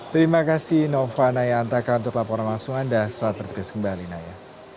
terima kasih nova naya antaka untuk laporan langsung anda selamat bertugas kembali naya